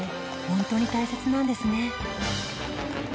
本当に大切なんですね